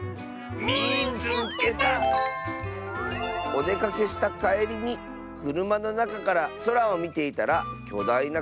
「おでかけしたかえりにくるまのなかからそらをみていたらきょだいな